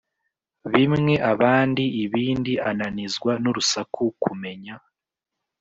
Bimwe abandi ibindi ananizwa n urusaku kumenya